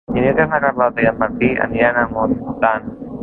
Dimecres na Carlota i en Martí aniran a Montant.